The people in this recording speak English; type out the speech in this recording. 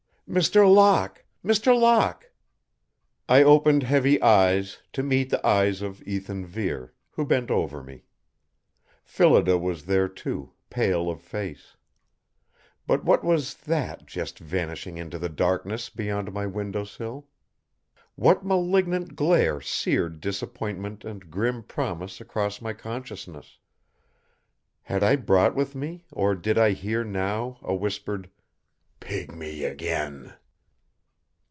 "Mr. Locke! Mr. Locke!" I opened heavy eyes to meet the eyes of Ethan Vere, who bent over me. Phillida was there, too, pale of face. But what was That just vanishing into the darkness beyond my window sill? What malignant glare seared disappointment and grim promise across my consciousness? Had I brought with me or did I hear now a whispered: "_Pygmy, again!